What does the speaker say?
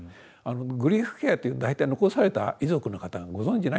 グリーフケアって大体残された遺族の方はご存じないんですね。